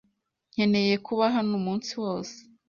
Nkeneye kuba hano umunsi wose.